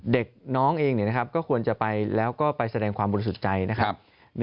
เด็กน้องเองก็ควรจะไปแล้วก็ไปแสดงความบริสุทธิ์ใจนะครับ